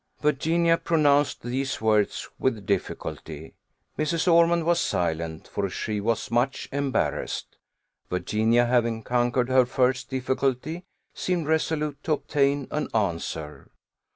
Virginia pronounced these words with difficulty. Mrs. Ormond was silent, for she was much embarrassed. Virginia having conquered her first difficulty, seemed resolute to obtain an answer.